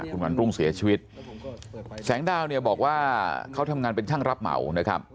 คุณวันรุ่งเสียชีวิตแสงดาวเนี่ยบอกว่าเขาทำงานเป็นช่างรับเหมานะครับ